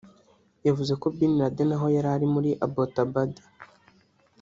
yavuze ko Bin Laden aho yari ari muri Abbottabad